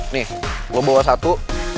nih lo bawa satu